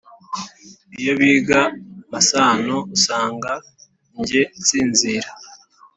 Iyo biga amasano Usanga jye nsinzira